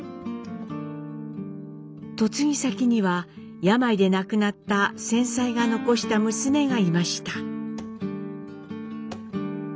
嫁ぎ先には病で亡くなった先妻が残した娘がいました。